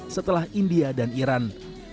setelah india dan iran